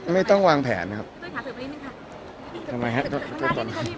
ไม่ต้องวางแผนครับ